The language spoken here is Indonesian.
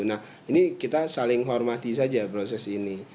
nah ini kita saling hormati saja proses ini